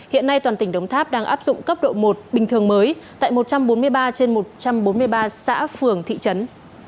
hiện nay toàn tỉnh đồng tháp đang áp dụng cấp độ một bình thường mới tại một trăm bốn mươi ba trên một trăm bốn mươi ba xã phường thị trấn